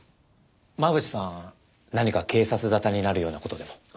真渕さん何か警察沙汰になるような事でも？